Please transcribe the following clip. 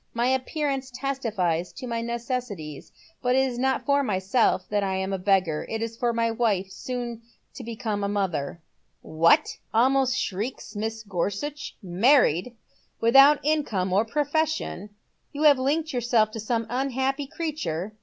My appearance testifies to my necessities, but it is not for myself that I am a beggar. It is for my wife. Boon to become a mother." " What ?" almost shrieks Mrs. Gorsuch. " Man ied ! Without income or profession, you have linked yourself to some unhappy creature